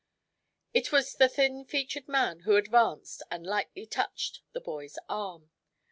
It was the thin featured man who advanced and lightly touched the boy's arm.